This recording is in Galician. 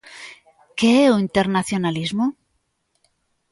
Que é o internacionalismo?